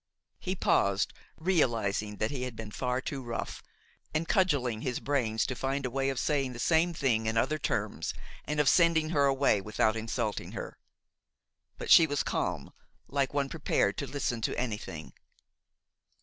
He paused, realizing that he had been far too rough, and cudgelling his brains to find a way of saying the same things in other terms and of sending her away without insulting her. But she was calm, like one prepared to listen to anything.